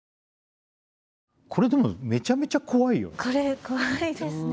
これでもめちゃめちゃ怖いよね。